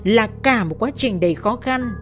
là cả một quá trình đầy khó khăn